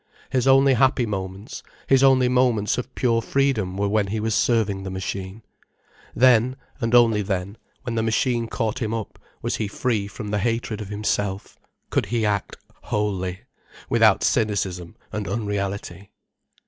His only happy moments, his only moments of pure freedom were when he was serving the machine. Then, and then only, when the machine caught him up, was he free from the hatred of himself, could he act wholely, without cynicism and unreality.